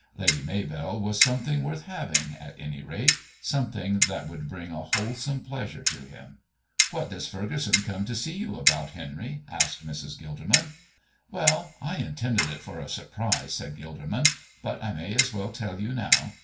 Lady Maybell was something worth having, at any rate something that would bring a wholesome pleasure to him. "What does Furgeson come to see you about, Henry?" asked Mrs. Gilderman. "Well, I intended it for a surprise," said Gilderman, "but I may as well tell you now.